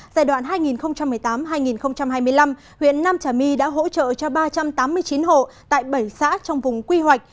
giai đoạn hai nghìn một mươi tám hai nghìn hai mươi năm huyện nam trà my đã hỗ trợ cho ba trăm tám mươi chín hộ tại bảy xã trong vùng quy hoạch